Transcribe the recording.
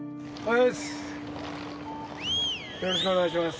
よろしくお願いします。